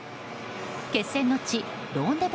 決戦の地ローンデポ